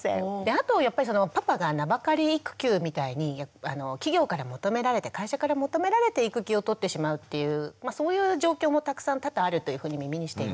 あとやっぱりそのパパが「名ばかり育休」みたいに企業から求められて会社から求められて育休を取ってしまうっていうそういう状況もたくさん多々あるというふうに耳にしています。